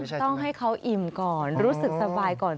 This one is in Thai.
ต้องให้เขาอิ่มก่อนรู้สึกสบายก่อน